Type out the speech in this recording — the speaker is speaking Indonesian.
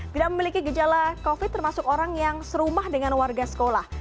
tidak memiliki gejala covid termasuk orang yang serumah dengan warga sekolah